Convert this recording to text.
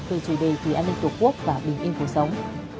về chủ đề vì an ninh tổ quốc và bình yên cuộc sống